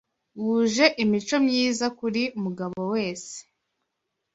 wuje imico myiza buri mugabo wese